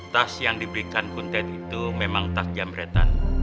tas yang diberikan kuntet itu memang tas jamretan